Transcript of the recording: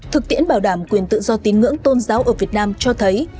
thực tiễn bảo đảm quyền tự do tín ngưỡng tôn giáo ở việt nam cho thấy